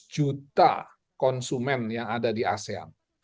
enam ratus juta konsumen yang ada di asean